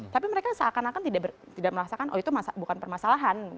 tapi mereka seakan akan tidak merasakan oh itu bukan permasalahan